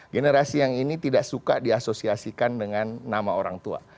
generasi yang ini tidak suka diasosiasikan dengan nama orang tua